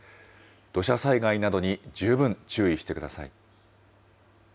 土砂災害などに十分注意してください。